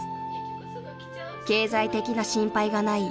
［経済的な心配がない